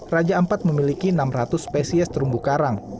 raja ampat memiliki enam ratus spesies terumbu karang